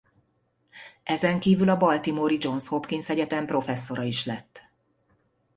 Ezenkívül a baltimore-i Johns Hopkins Egyetem professzora is lett.